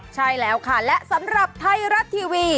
ใช่แล้วค่ะและสำหรับไทยรัฐทีวี